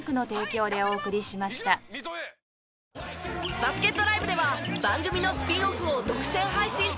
バスケットＬＩＶＥでは番組のスピンオフを独占配信中。